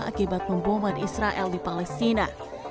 akibat pemboman israel di palestina